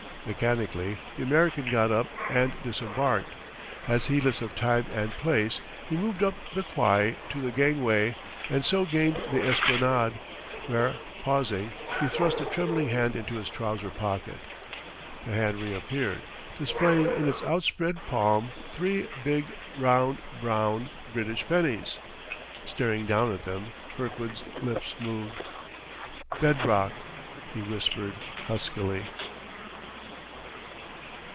Mechanically the American got up and disembarked. As heedless of time and place he moved up the Quai to the gangway and so gained the esplanade; where pausing he thrust a trembling hand into his trouser pocket. The hand reappeared, displaying in its outspread palm three big, round, brown, British pennies. Staring down at them, Kirkwood's lips moved. "Bed rock!" he whispered huskily.